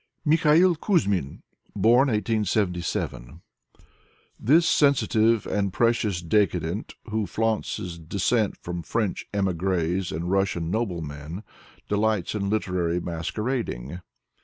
Mikhail Kuzmin (Born 1877) This sensitive and precious dicadent, who flaunts his descent from French imigris and Russian noblemen, delights in literary masquerading.